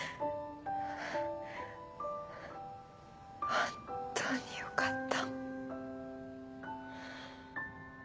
本当によかった。